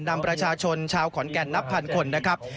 นำประชาชนชาวขอนแก่นนับพันคนนะครับ